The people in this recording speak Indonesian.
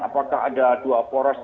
apakah ada dua poros